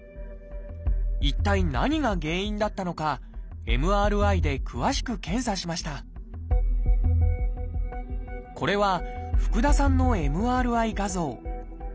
一体何が原因だったのかＭＲＩで詳しく検査しましたこれは福田さんのＭＲＩ画像。